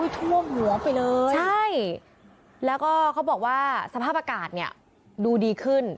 ท่วมหัวไปเลยใช่แล้วก็เขาบอกว่าสภาพอากาศเนี่ยดูดีขึ้น